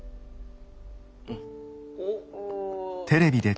「うん」。